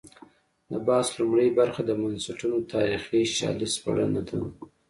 د بحث لومړۍ برخه د بنسټونو تاریخي شالید سپړنه ده.